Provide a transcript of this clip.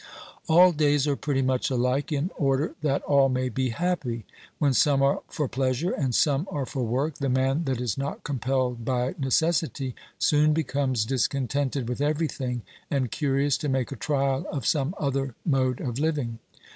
All days are pretty much alike, in order that all may be happy. When some are for pleasure and some are for work, the man that is not compelled by necessity soon becomes discontented with everything and curious to make a trial of some other mode of living.